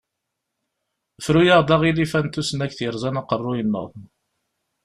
Fru-aɣ-d aɣilif-a n tusnakt yerẓan aqerruy-nneɣ.